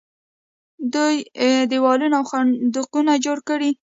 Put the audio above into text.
دوی دیوالونه او خندقونه جوړ کړي.